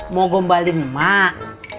mau gembalin mak